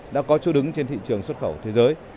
đã có chỗ đứng trên thị trường xuất khẩu thế giới